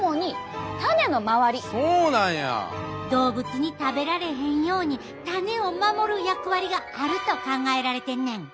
動物に食べられへんように種を守る役割があると考えられてんねん！